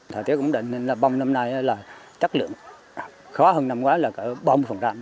thời tiết cũng định nên là bông năm nay là chất lượng khó hơn năm qua là bông phần rạng